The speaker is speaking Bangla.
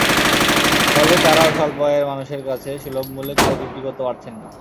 ফলে তাঁরাও স্বল্প আয়ের মানুষের কাছে সুলভমূল্যে চাল বিক্রি করতে পারছেন না।